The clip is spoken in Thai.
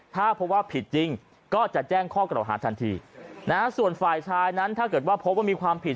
ถ้าพบว่าผิดจริงก็จะแจ้งข้อกล่าวหาทันทีนะฮะส่วนฝ่ายชายนั้นถ้าเกิดว่าพบว่ามีความผิด